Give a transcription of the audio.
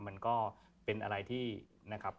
มันก็เป็นอะไรที่นะครับ